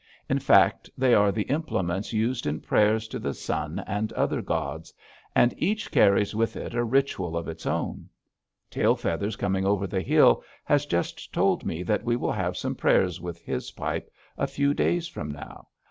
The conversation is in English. In fact, they are the implements used in prayers to the sun and other gods, and each carries with it a ritual of its own. Tail Feathers Coming over the Hill has just told me that we will have some prayers with his pipe a few days from now.